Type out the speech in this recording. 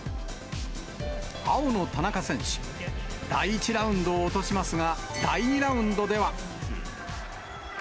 青の田中選手、第１ラウンドを落としますが、第２ラウンドでは。